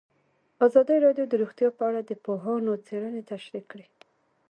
ازادي راډیو د روغتیا په اړه د پوهانو څېړنې تشریح کړې.